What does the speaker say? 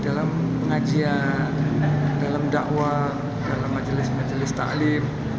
dalam pengajian dalam dakwah dalam majelis majelis ta lim